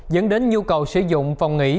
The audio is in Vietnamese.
dẫn đến nhu cầu sử dụng phòng nghỉ